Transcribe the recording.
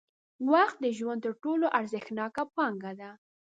وخت د ژوند تر ټولو ارزښتناکه پانګه ده.